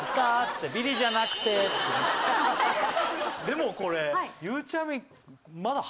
でもこれ。